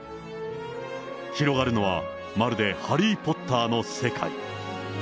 広がるのは、まるでハリー・ポッターの世界。